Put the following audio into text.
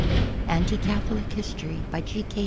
Anti Catholic History G. K.